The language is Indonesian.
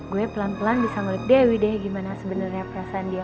gue pelan pelan bisa ngelik dewi deh gimana sebenarnya perasaan dia